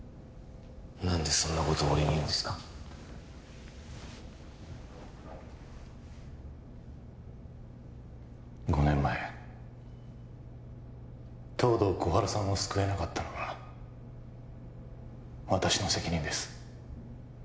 何でそんなことを俺に言うんですか５年前東堂心春さんを救えなかったのは私の責任です